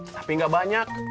tapi gak banyak